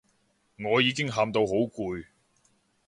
我已經喊到好攰